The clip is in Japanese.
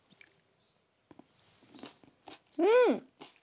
うん！